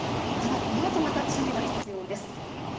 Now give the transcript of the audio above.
ただこのあとまた注意が必要です。